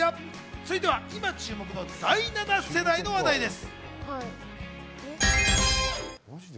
続いて今注目の第７世代の話題です。